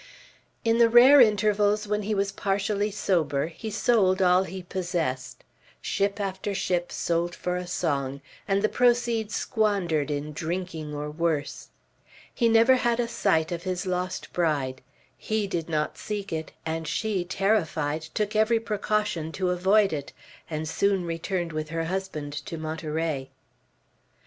In the rare intervals when he was partially sober, he sold all he possessed, ship after ship sold for a song, and the proceeds squandered in drinking or worse. He never had a sight of his lost bride. He did not seek it; and she, terrified, took every precaution to avoid it, and soon returned with her husband to Monterey.